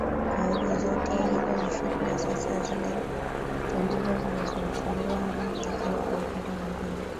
kwahiyo zote hizo ni fitna Sasa zile ndizo zinazonisumbua mimi Lakini kwa upande mwingine